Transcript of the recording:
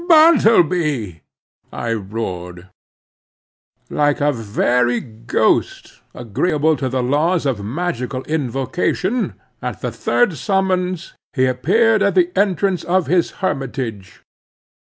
"Bartleby," I roared. Like a very ghost, agreeably to the laws of magical invocation, at the third summons, he appeared at the entrance of his hermitage.